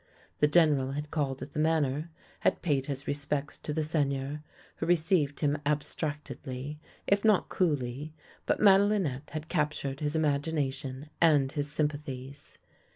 The General had called at the Manor, had paid his respects to the Sei gneur, who received him abstractedly if not coolly, but Madelinette had captured his imagination and his sym pathies.